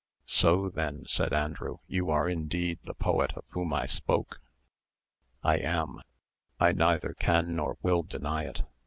"So, then," said Andrew, "you are indeed the poet of whom I spoke." "I am: I neither can nor will deny it.